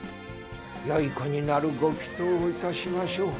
よい子になるご祈とうをいたしましょう。